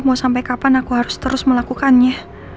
mau sampai kapan aku harus terus melakukannya